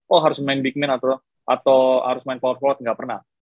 oh harus main big man atau harus main power clot nggak pernah